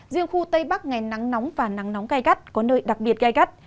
riêng khu tây bắc ngày nắng nóng và nắng nóng gai gắt có nơi đặc biệt gai gắt